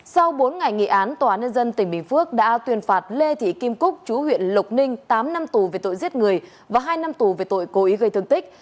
sau bốn ngày nghị án tòa án nhân dân tỉnh bình phước đã tuyên phạt lê thị kim cúc chú huyện lộc ninh tám năm tù về tội giết người và hai năm tù về tội cố ý gây thương tích